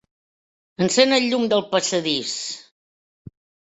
Encén el llum del passadís.